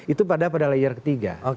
itu pada layer ketiga